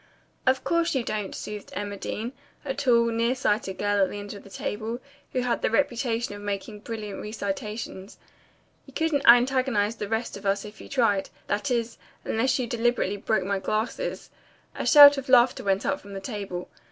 "Of course you don't," soothed Emma Dean, a tall, near sighted girl at the end of the table, who had the reputation of making brilliant recitations. "You couldn't antagonize the rest of us if you tried. That is, unless you deliberately broke my glasses." A shout of laughter went up from the table.